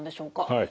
はい。